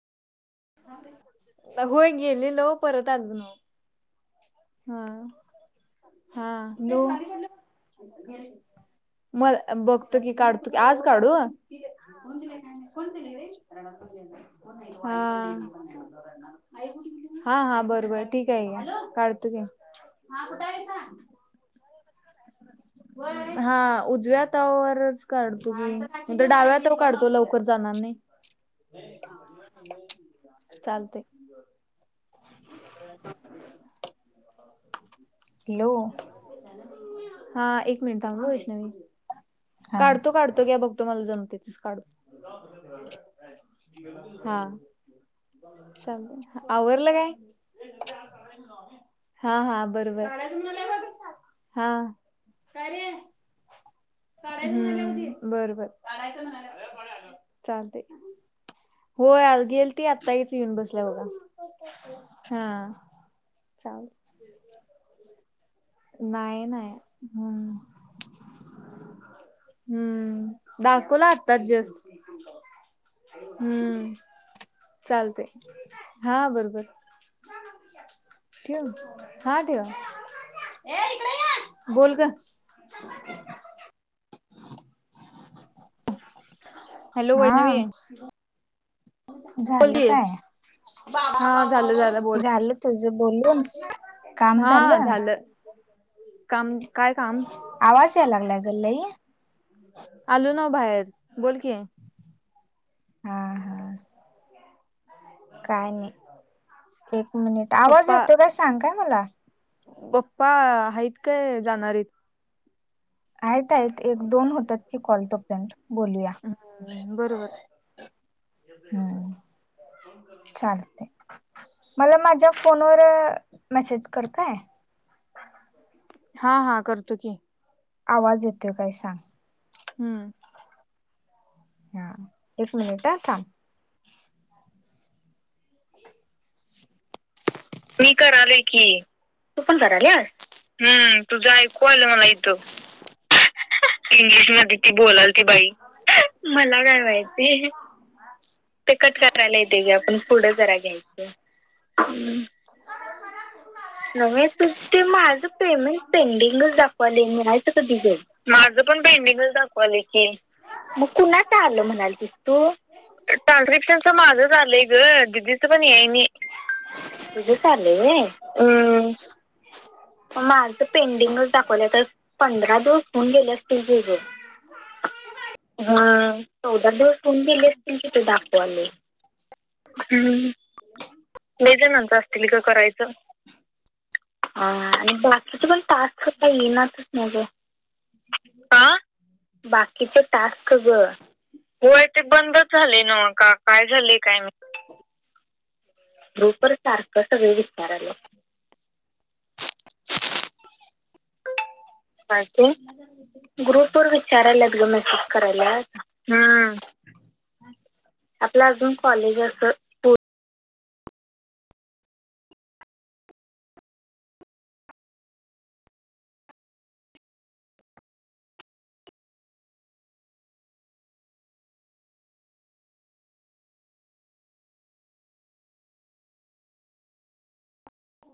होय गेलेलो परत आलो न्हावा. हा हा हॅलो मल बघतो की काढतो की आज काढू [unintelligible] हा हा हा बरं बरं ठीक आहे घे काढ तो की हा कुठ हाय सा [inaudible] व्हय हा उजव्या हातावर च काढतो मी म्ह डाव्यात हातावर काढतो लवकर जाणार नाही. चालतय. [inaudible] इलो. हा एक मिनट थांब हा वैष्णवी. हा काढतो काढतो घ्या बघतो मला जमते तस काढत [unintelligible] हा. चालतंय आवरलं काय. हा हा बरं बरं [inaudible] हा [inaudible] [unintelligible] हम्म बरं बरं चालतय होय गेलती आत्ताहीच येऊन बसल्या बघा. हा चाल नाही नाही हम्म. हम्म दाखवला आता जस्ट. हम्म चालतय हा बरं बरं. ठेऊ हा ठेवा. [inaudible] बोल ग हॅलो हा वै्णवी बोल झालं की. काय बाबा हा झालं झालं. बोल झालं तुझ बोलून काम झालं. काम काय काम. आवाज या लागलाय ग लई. आलू ना बाहेर बोल की. हा हा. काय नाही एक मिनिट आवाज येतो काय सांग काय मला. बाप्पा हैत काय जाणार राईत. आहेत आहेत एक दोन होतात की कॉल तोपर्यंत बोलूया. हम बरं बरं. हम्म चालते [inaudible] मला माझ्या फोनवर मेसेज कर काय. हा हा करतो की. आवाज येतोय काय सांग. हम्म. हा एक मिनिट हा थांब. मी करालोय की. तू पण कराल्या. इंग्लिश मध्ये ती बोलाल ती बाई मला काय माहिती. ते कट करायला येते ग आपण पुढं जरा घ्यायचं. नवे तु ते माझ पेमेंट पेंडिंगच दाखवाले मिळायचं कधी ग. माझं पण पेंडिंगच दाखवालय की. ट्रान्स्क्रिप्शनचं माझंच आलंय ग दीदीच पण याय नाही. तुझंच आले व्हय. माझं पेंडिंगच दाखवलं तर पंधरा दो [unintelligible] गेले असतील कि ग, हा. चौदा दिवस होऊन गेले असं दाखवायला हम्म मे च्या नंतर असतील ग करायचं, हा. बाकीचे पण टास्क काय येणाच मग. बाकीचे टास्क ग. होय ते बंदच झालय नवका काय झालेय काय माहित. ग्रुप वर सारख सगळी विचाराल्यात. बाकी. ग्रुप वर विचाराल्यात ग मेसेज करायला, हम्म. आपला अजून कॉलेज अस